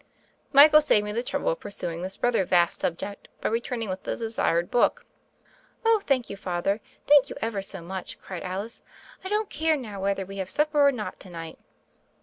Michael saved me the trouble of pursuing this rather vast subject by returning with the desired book. "Oh, thank you. Father, thank you ever so much!" cried Alice. "I don't care now whether we have supper or not to night."